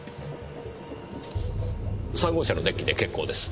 ３号車のデッキで結構です。